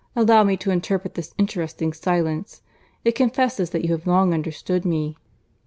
allow me to interpret this interesting silence. It confesses that you have long understood me."